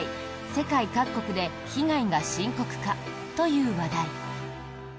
世界各国で被害が深刻化という話題。